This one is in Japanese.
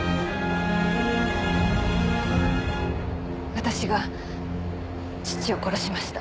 私が父を殺しました。